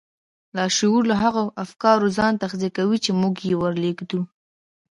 لاشعور له هغو افکارو ځان تغذيه کوي چې موږ يې ور لېږدوو.